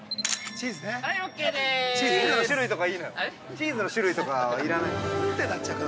チーズの種類とかは要らない。